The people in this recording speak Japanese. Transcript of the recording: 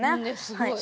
すごい！